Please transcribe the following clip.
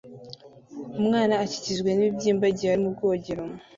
Umwana akikijwe n'ibibyimba igihe ari mu bwogero